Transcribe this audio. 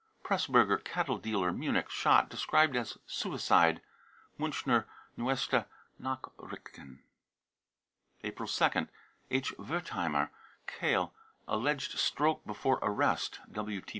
pressburger, cattle dealer, Munich, shot, described' as suicide. {Miinchner Neueste Nachrichten .) April 2nd. h. Wertheimer, Kehl, alleged stroke before arrest.